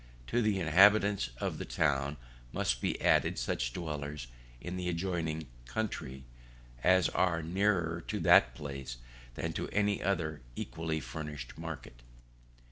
To the inhabitants of the town must be added such dwellers in the adjoining country, as are nearer to that place than to any other equally well furnished market.